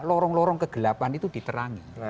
lorong lorong kegelapan itu diterangi